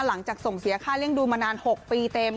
หลังจากส่งเสียค่าเลี้ยงดูมานาน๖ปีเต็ม